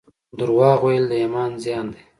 درواغ ویل د ایمان زیان دی